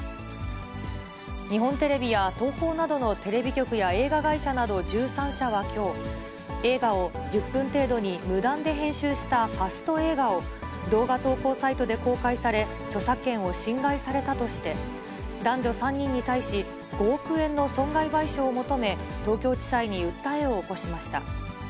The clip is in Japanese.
日本テレビや東宝などのテレビ局や映画会社など１３社はきょう、映画を１０分程度に無断で編集したファスト映画を、動画投稿サイトで公開され、著作権を侵害されたとして、男女３人に対し５億円の損害賠償を求め、東京地裁に訴えを起こしました。